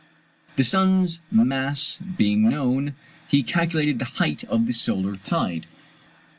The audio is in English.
The sun's mass being known, he calculated the height of the solar tide.